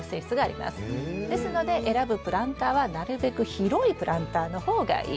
ですので選ぶプランターはなるべく広いプランターの方がいい。